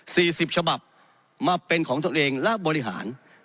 สิบฉบับมาเป็นของตัวเองและบริหาร